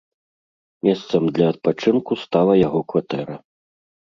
Месцам для адпачынку стала яго кватэра.